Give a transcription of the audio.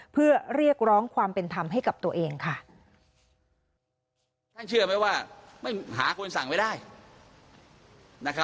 เพื่อเรียกร้องความเป็นธรรมให้กับตัวเองค่ะ